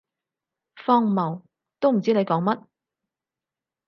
荒謬，都唔知你講乜